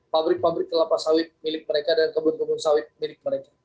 pabrik pabrik kelapa sawit milik mereka dan kebun kebun sawit milik mereka